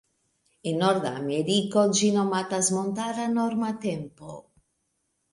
En norda Ameriko ĝi nomatas "Montara Norma Tempo".